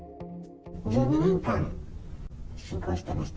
１２年間信仰してました。